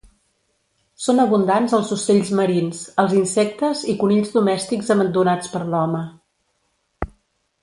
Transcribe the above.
Són abundants els ocells marins, els insectes i conills domèstics abandonats per l'home.